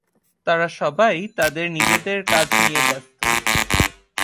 তারা সবাই তাদের নিজেদের কাজ নিয়ে ব্যস্ত।